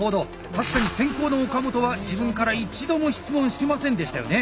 確かに先攻の岡本は自分から一度も質問してませんでしたよね。